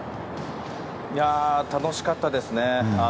楽しかったですね。